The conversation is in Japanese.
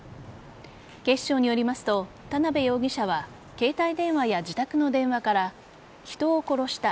警視庁によりますと田辺容疑者は携帯電話や自宅の電話から人を殺した。